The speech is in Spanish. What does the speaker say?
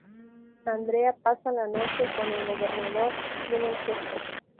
Andrea pasa la noche con el Gobernador y tienen sexo.